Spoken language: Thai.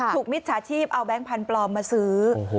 ถูกมิดชาชีพเอาแบงค์พันปลอมมาซื้อ